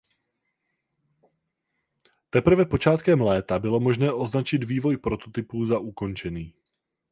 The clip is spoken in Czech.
Teprve počátkem léta bylo možné označit vývoj prototypů za ukončený.